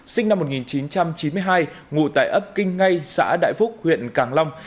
sinh năm một nghìn chín trăm chín mươi hai ngụ tại ấp kinh ngay xã đại phúc huyện càng long